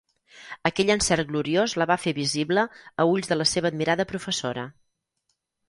Aquell encert gloriós la va fer visible a ulls de la seva admirada professora.